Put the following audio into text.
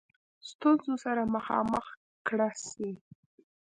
ستونزو سره مخامخ کړه سي.